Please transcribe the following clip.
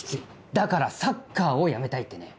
だからサッカーをやめたいってね。